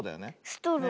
ストロー。